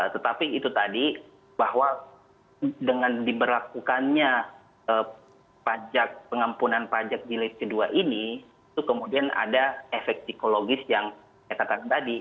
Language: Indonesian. tetapi itu tadi bahwa dengan diberlakukannya pajak pengampunan pajak jilid kedua ini itu kemudian ada efek psikologis yang saya katakan tadi